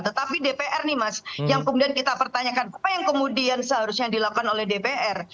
tetapi dpr nih mas yang kemudian kita pertanyakan apa yang kemudian seharusnya dilakukan oleh dpr